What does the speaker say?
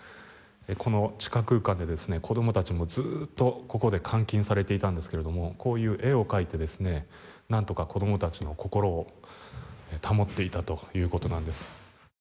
この地下空間で子供たちもずっとここで監禁されていたんですけれどもこういう絵を描いて、何とか子供たちの心を保っていたということなんです。